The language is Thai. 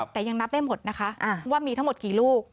แต่ยังนับได้หมดนะคะว่ามีทั้งหมดกี่ลูก